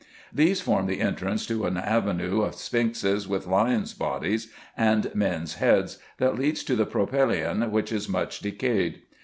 These form the entrance to an avenue of sphinxes with lions' bodies and men's heads, that leads to the propylaeon, which is much decayed.